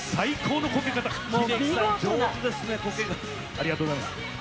ありがとうございます。